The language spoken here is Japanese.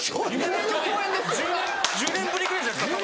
１０年ぶりぐらいじゃないですか？